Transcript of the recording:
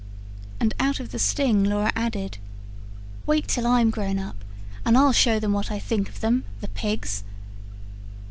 And out of the sting, Laura added: "Wait till I'm grown up, and I'll show them what I think of them the pigs!"